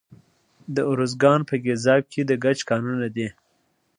د ارزګان په ګیزاب کې د ګچ کانونه دي.